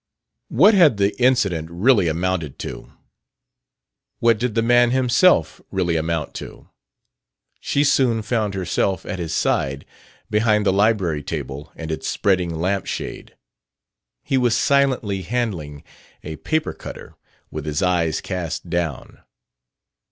What had the incident really amounted to? What did the man himself really amount to? She soon found herself at his side, behind the library table and its spreading lamp shade. He was silently handling a paper cutter, with his eyes cast down.